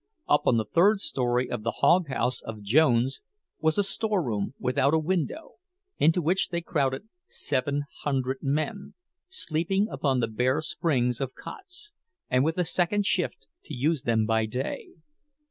Up on the third story of the "hog house" of Jones's was a storeroom, without a window, into which they crowded seven hundred men, sleeping upon the bare springs of cots, and with a second shift to use them by day.